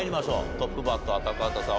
トップバッター高畑さん